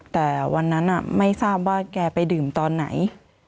แต่วันนั้นไม่ทราบว่าแกไปดื่มตอนไหน